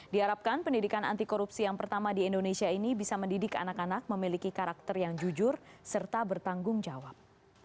diharapkan pendidikan anti korupsi yang pertama di indonesia ini bisa mendidik anak anak memiliki karakter yang jujur serta bertanggung jawab